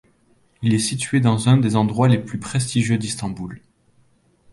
Il est situé dans un des endroits les plus prestigieux d’Istanbul.